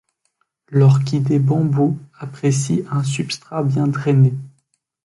L'orchidée bambou apprécie un substrat bien drainé.